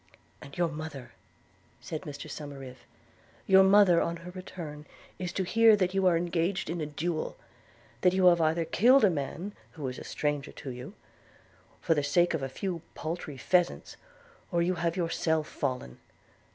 'And your mother,' said Mr Somerive, 'your mother, on her return, is to hear that you are engaged in a duel; that you have either killed a man, who is stranger to you, for the sake of a few paltry pheasants, or have yourself fallen?